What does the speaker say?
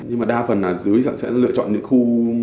nhưng mà đa phần sẽ lựa chọn những khu